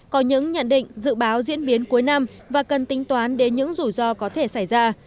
có những nhận định dự báo diễn biến cuối năm và cần tính toán đến những rủi ro có thể xảy ra